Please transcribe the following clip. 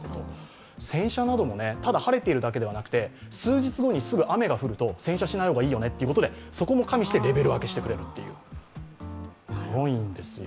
洗車なども晴れているだけでなくて、数日後に雨が降ると洗車しない方がいいよねとそこも加味してレベル分けしてくれる、すごいんですよ。